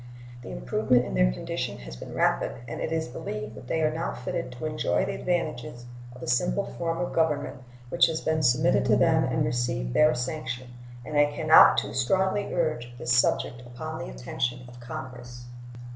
The improvement in their condition has been rapid, and it is believed that they are now fitted to enjoy the advantages of a simple form of government, which has been submitted to them and received their sanction; and I can not too strongly urge this subject upon the attention of Congress.